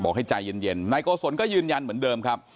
ให้ใจเย็นนายโกศลก็ยืนยันเหมือนเดิมครับ